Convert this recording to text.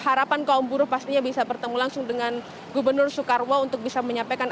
harapan kaum buruh pastinya bisa bertemu langsung dengan gubernur soekarwo untuk bisa menyampaikan